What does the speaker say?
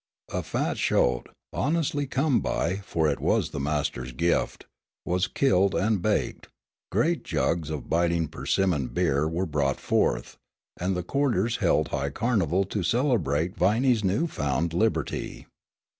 A fat shoat, honestly come by for it was the master's gift was killed and baked, great jugs of biting persimmon beer were brought forth, and the quarters held high carnival to celebrate Viney's new found liberty.